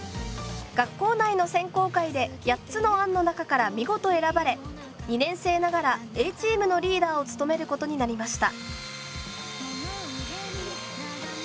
学校内の選考会で８つの案の中から見事選ばれ２年生ながらＡチームのリーダーを務めることになりました。